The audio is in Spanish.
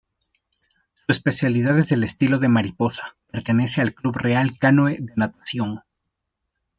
Su especialidad es el estilo de mariposa. Pertenece al Club Real Canoe de natación.